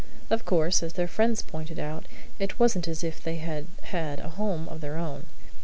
Of course, as their friends pointed out, it wasn't as if they had had a home of their own.